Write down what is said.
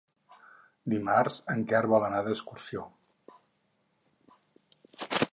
Dimarts en Quer vol anar d'excursió.